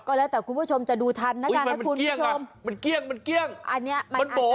ก็แล้วแต่คุณผู้ชมจะดูทันนะครับคุณผู้ชม